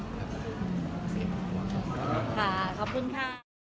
ขอบคุณค่ะ